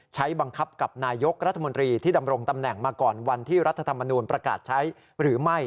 ใช้บังคับกับนายกรัฐมนตรีที่ดำรงตำแหน่งมาก่อนวันที่รัฐธรรมนูลประกาศใช้หรือไม่